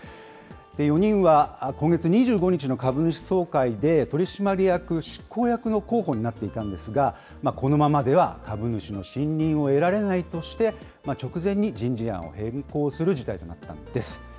４人は今月２５日の株主総会で取締役、執行役の候補になっていたんですが、このままでは株主の信任を得られないとして、直前に人事案を変更する事態となったんです。